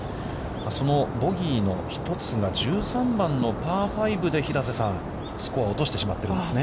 そのボギーの１つが、１３番のパー５で平瀬さん、スコアを落としてしまっているんですね。